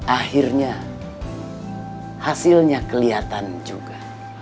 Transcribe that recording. akhirnya hasilnya kelihatan juga